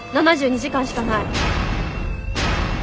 ７２時間しかない。